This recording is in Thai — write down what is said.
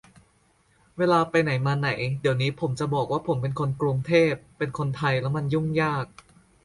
เวลาไปไหนมาไหน เดี๋ยวนี้ผมจะบอกว่าผมเป็นคนกรุงเทพ เป็นคนไทยแล้วมันยุ่งยาก